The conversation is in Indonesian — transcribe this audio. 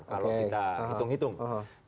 kalau kita hitung hitung